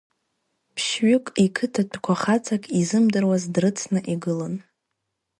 Ԥшьҩык иқыҭатәқәа хаҵак изымдыруаз дрыцны игылан.